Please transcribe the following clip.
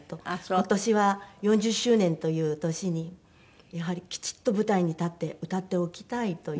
今年は４０周年という年にやはりきちっと舞台に立って歌っておきたいという。